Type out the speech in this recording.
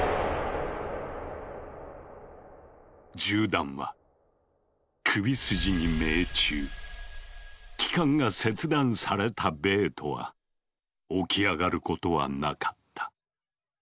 銃弾は気管が切断されたベートは起き上がることはなかった。